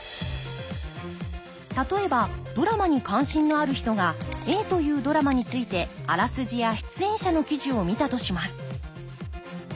例えばドラマに関心のある人がＡというドラマについてあらすじや出演者の記事を見たとします。